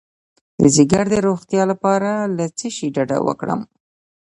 د ځیګر د روغتیا لپاره له څه شي ډډه وکړم؟